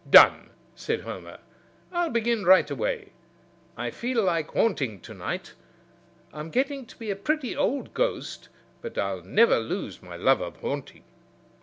"Done!" said Homer. "I'll begin right away. I feel like haunting to night. I'm getting to be a pretty old ghost, but I'll never lose my love of haunting."